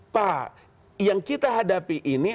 pak yang kita hadapi ini